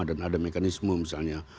dan ada mekanisme misalnya